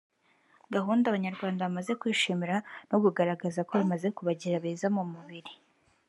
gahunda abanyarwanda bamaze kwishimira no kugaragaza ko imaze kubagira beza mu mubiri